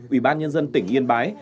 ủy ban nhân dân tỉnh yên bái